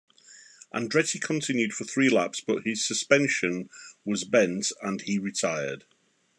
Andretti continued for three laps, but his suspension was bent, and he retired.